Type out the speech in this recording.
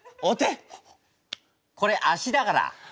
これ足だから。